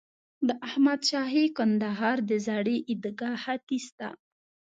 د احمد شاهي کندهار د زړې عیدګاه ختیځ ته.